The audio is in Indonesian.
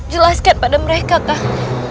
jelaskan pada mereka kang